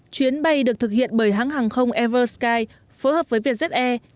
chuyến bay được thực hiện bởi hãng hàng không eversky phối hợp với vietjet air